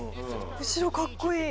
後ろかっこいい。